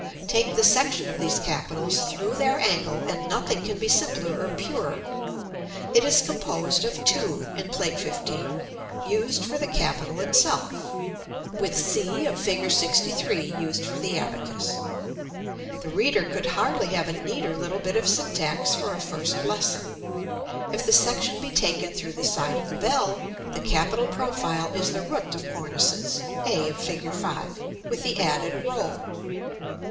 Take the section of these capitals through their angle, and nothing can be simpler or purer; it is composed of 2, in Plate XV., used for the capital itself, with c of Fig. LXIII. used for the abacus; the reader could hardly have a neater little bit of syntax for a first lesson. If the section be taken through the side of the bell, the capital profile is the root of cornices, a of Fig. V., with the added roll.